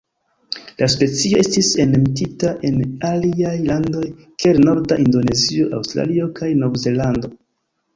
La specio estis enmetita en aliaj landoj kiel norda Indonezio, Aŭstralio kaj Novzelando.